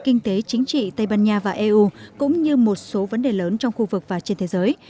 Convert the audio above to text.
kinh tế chính trị tây ban nha và eu cũng như một số vấn đề lớn trong khu vực và trên thế giới